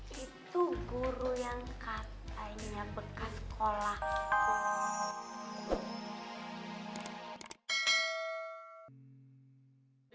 itu guru yang katanya bekas sekolah